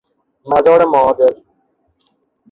مدار معادل